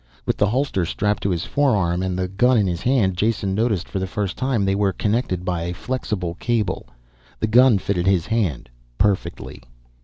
With the holster strapped to his forearm and the gun in his hand, Jason noticed for the first time they were connected by a flexible cable. The gun fitted his hand perfectly.